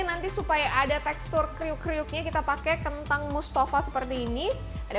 nanti supaya ada tekstur kriuk kriuknya kita pakai kentang mustafa seperti ini ada